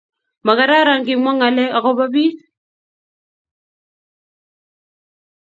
Ma kararan kimwa ng'alek ako ba pik